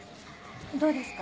どうですか？